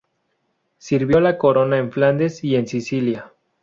Sirvió a la corona en Flandes y en Sicilia.